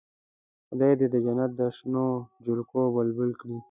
خدای دې د جنت د شنو جلګو بلبل کړي.